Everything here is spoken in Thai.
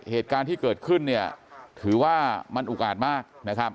เหตุการณ์ที่เกิดขึ้นถือว่ามันอุกาสมาก